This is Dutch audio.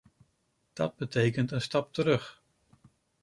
Dat betekent een stap terug.